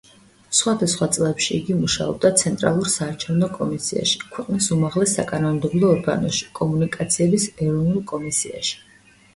სხვადასხვა წლებში იგი მუშაობდა ცენტრალურ საარჩევნო კომისიაში, ქვეყნის უმაღლეს საკანონმდებლო ორგანოში, კომუნიკაციების ეროვნულ კომისიაში.